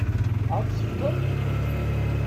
Ad ɣ-t-tefkeḍ?